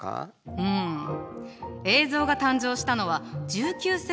うん映像が誕生したのは１９世紀の終わりごろ。